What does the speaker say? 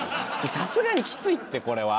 さすがにきついってこれは。